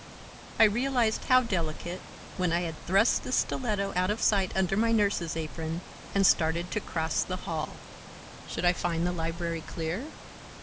I realized how delicate, when I had thrust the stiletto out of sight under my nurse's apron and started to cross the hall. Should I find the library clear?